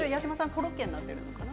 コロッケなっているのかな？